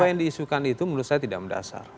apa yang diisukan itu menurut saya tidak mendasar